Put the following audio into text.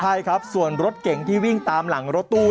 ใช่ครับส่วนรถเก่งที่วิ่งตามหลังรถตู้